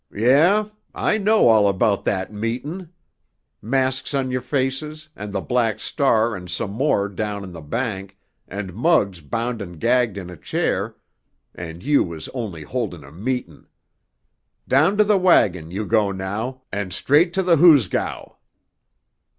"Yeh? I know all about that meetin'. Masks on your faces, and the Black Star and some more down in the bank, and Muggs bound and gagged in a chair—and you was only holdin' a meetin'. Down to the wagon you go now, and straight to the hoosgow!"